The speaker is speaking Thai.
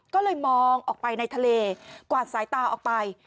ก็เลยมองออกไปในทะเลกวาดสายตาออกไป